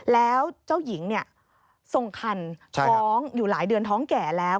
แล้วเจ้าหญิงทรงคันท้องอยู่หลายเดือนท้องแก่แล้ว